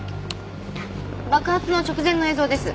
爆発の直前の映像です。